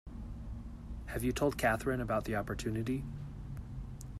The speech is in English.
Have you told Katherine about the opportunity?